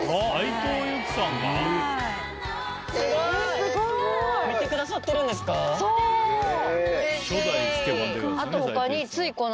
すごい！あ！